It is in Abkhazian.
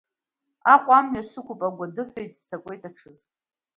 Аҟәа амҩа сықәуп агәдыҳәа, иццакуеит аҽыз.